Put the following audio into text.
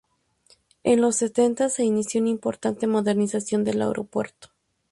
En los sesenta se inició una importante modernización del aeropuerto.